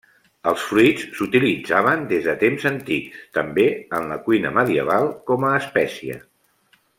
Els fruits s'utilitzaven des de temps antics, també en la cuina medieval com a espècia.